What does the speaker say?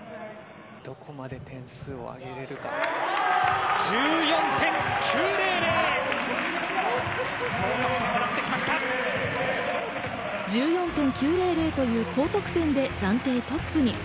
どこまで点数を上げられるか。１４．９００。１４．９００という高得点で暫定トップに。